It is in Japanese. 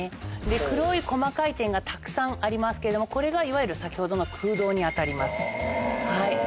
黒い細かい点がたくさんありますけれどもこれがいわゆる先ほどの空洞に当たります。